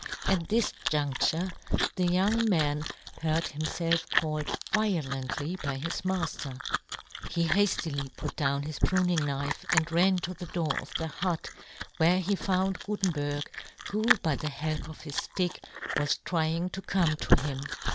At this jundlure the young man heard himfelf called violently by his mafter. He haftily put down his pruning knife, and ran to the door of the hut, where he found Guten berg, who, by the help of his ftick, was trying to come to him.